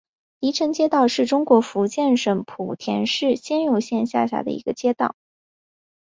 鲤城街道是中国福建省莆田市仙游县下辖的一个街道。